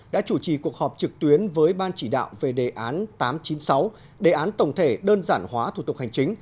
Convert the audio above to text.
đã chủ trì cuộc họp trực tuyến với ban chỉ đạo về đề án tám trăm chín mươi sáu đề án tổng thể đơn giản hóa thủ tục hành chính